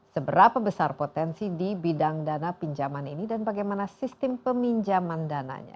seberapa besar potensi di bidang dana pinjaman ini dan bagaimana sistem peminjaman dananya